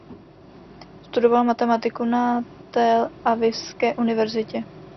Studoval matematiku na Telavivské univerzitě.